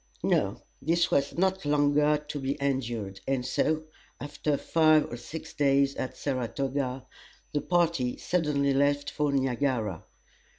No, this was not longer to be endured, and so, after five or six days at Saratoga, the party suddenly left for Niagara.